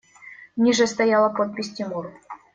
Ниже стояла подпись: «Тимур».